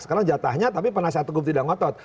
sekarang jatahnya tapi penasihat hukum tidak ngotot